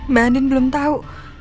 mbak andin belum tau